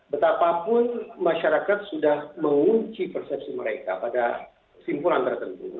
betapapun masyarakat sudah mengunci persepsi mereka pada kesimpulan tertentu